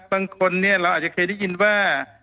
บางคนเนี่ยเราอาจจะเคยได้ยินว่า